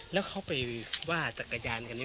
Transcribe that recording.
แล้วเขาไปว่าจักรยานคันนี้